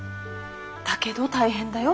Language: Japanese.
だけど大変だよ。